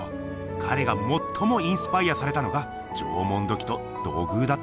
彼がもっともインスパイアされたのが縄文土器と土偶だっだそうだ。